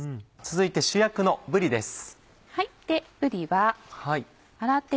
続いて主役のぶりです。